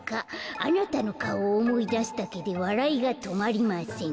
あなたのかおをおもいだすだけでわらいがとまりません」。